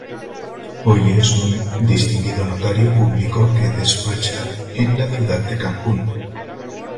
Hoy, es un distinguido notario público que despacha en la ciudad de Cancún.